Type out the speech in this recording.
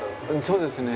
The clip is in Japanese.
そうですね。